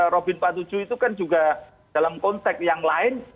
robin empat puluh tujuh itu kan juga dalam konteks yang lain